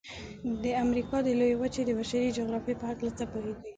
د امریکا د لویې وچې د بشري جغرافیې په هلکه څه پوهیږئ؟